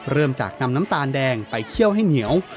เริ่มจากนำน้ำตาลแดงไปเคี่ยวให้เหนียว